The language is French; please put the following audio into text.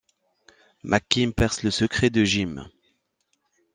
McKim perce le secret de Jim.